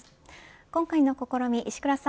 今回の試み、石倉さん